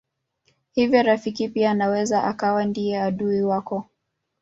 Hivyo rafiki pia anaweza akawa ndiye adui wako.